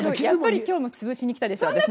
やっぱり今日も潰しに来たでしょ